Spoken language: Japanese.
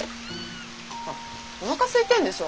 あっおなかすいてんでしょ。